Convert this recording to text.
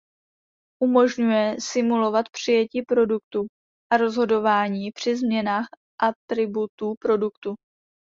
Umožňuje simulovat přijetí produktu a rozhodování při změnách atributů produktu.